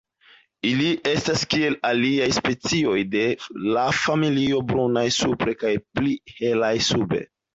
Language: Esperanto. Ili estas kiel aliaj specioj de la familio brunaj supre kaj pli helaj sube.